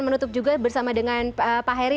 menutup juga bersama dengan pak heri